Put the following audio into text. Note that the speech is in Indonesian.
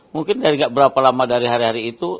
mungkin dari gak berapa lama dari hari hari itu